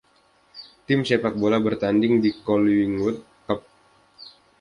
Tim Sepak Bola bertanding di Collingwood Cup.